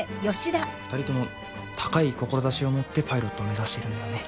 ２人とも高い志を持ってパイロットを目指しているんだよね。